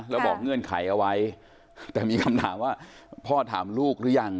แล้วบอกเงื่อนไขเอาไว้แต่มีคำถามว่าพ่อถามลูกหรือยัง